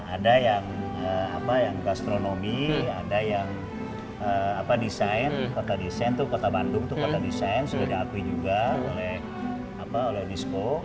ada yang gastronomi ada yang desain kota desain itu kota bandung itu kota desain sudah diakui juga oleh unisco